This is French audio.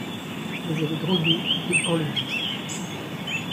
Mais elle est droguée et enlevée.